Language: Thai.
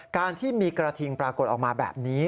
การที่มีกระทิงปรากฏออกมาแบบนี้